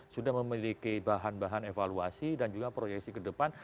sudah memiliki bahan bahan evaluasi dan juga proyeksi ke depan